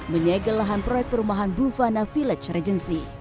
menyegel lahan proyek perumahan bufana village regency